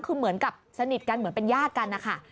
คือเหมือนกับสนิทกันเหมือนเป็นญาติกันนะคะ